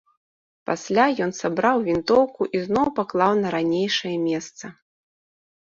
Пасля ён сабраў вінтоўку і зноў паклаў на ранейшае месца.